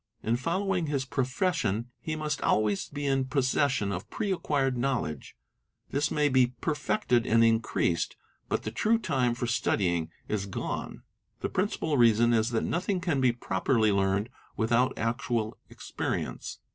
In following his profession he must always be in possession of pre acquired knowledge; this may be perfected and increased, but the true time for studying is gone. The principle reason is that nothing can be properly learned without actual experience.